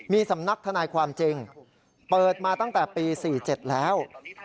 มีสำนักทนายความจริงเปิดมาตั้งแต่ปี๔๗แล้ว